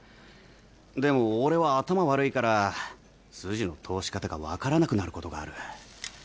でも俺は頭悪いから筋の通し方が分からなくなることがある。